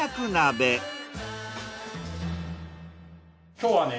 今日はね